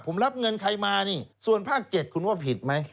ผมรับเงินใครมานี่ส่วนภาค๗คุณว่าผิดไหม